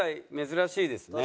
珍しいですね。